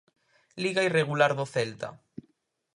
Liga irregular do Celta.